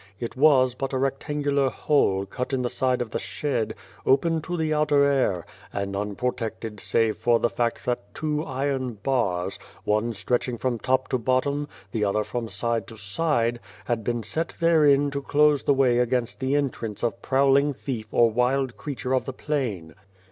It was but a rectangular hole, cut in the side of the shed, open to the outer air, and unprotected save for the fact that two iron bars one stretching from top to bottom, the other from side to side had been set therein to close the way against the entrance of prowling thief or wild creature of the plain.